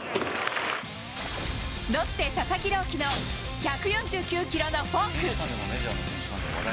ロッテ・佐々木朗希の１４９キロのフォーク。